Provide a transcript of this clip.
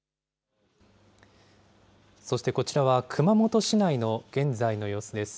そしてこちらは熊本市内の現在の様子です。